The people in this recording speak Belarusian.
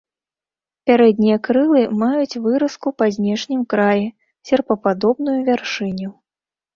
Пярэднія крылы маюць выразку па знешнім краі, серпападобную вяршыню.